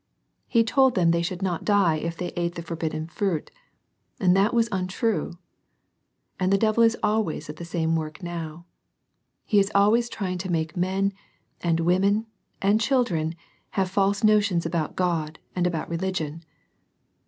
He told them they should not die if they ate the for bidden fruit, and that was untrue. And the devil is always at the same work now. He is always trying to make men, and women, and children have false notions about God and about religion.